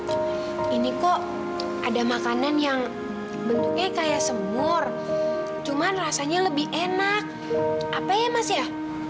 oh ini kok ada makanan yang bentuknya kayak semur cuman rasanya lebih enak apa ya mas ya